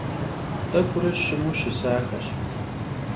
T'ek'ure şımu şısaxeş.